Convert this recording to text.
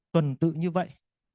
tuần tự như vậy